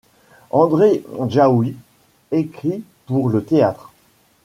André Djaoui écrit pour le théâtre.